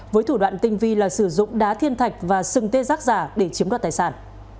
với thủ đoạn tinh vi là sử dụng đá thiên thạch và sừng tê giác giả để chiếm đoạt tài sản